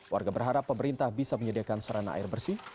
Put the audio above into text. warga berharap pemerintah bisa menyediakan sarana air bersih